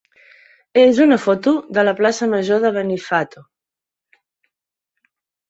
és una foto de la plaça major de Benifato.